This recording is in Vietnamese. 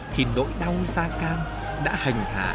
khi nỗi đau da cam đã hành hạ